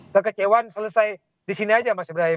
kekecewaan selesai di sini aja mas ibrahim